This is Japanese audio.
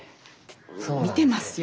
見てますよ。